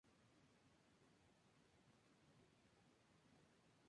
En el norte sobresalen los autores gallegos, con Castelao a la cabeza.